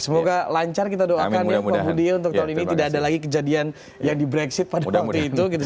semoga lancar kita doakan ya pak budi untuk tahun ini tidak ada lagi kejadian yang di brexit pada waktu itu